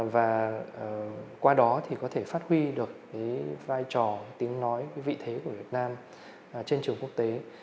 và qua đó thì có thể phát huy được vai trò tiếng nói vị thế của việt nam trên trường quốc tế